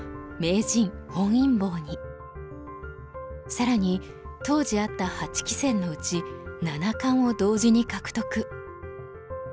更に当時あった八棋戦のうち七冠を同時に獲得。